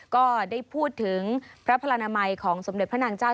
ก็ได้พูดถึงพระพระนามัยของสมเด็จพระนางเจ้า